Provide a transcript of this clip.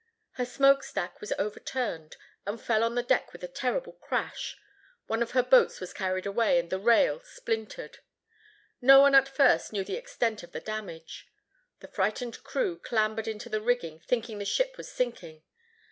Her smoke stack was overturned and fell on the deck with a terrible crash. One of her boats was carried away and the rail splintered. No one at first knew the extent of the damage. The frightened crew clambered into the rigging, thinking the ship was sinking.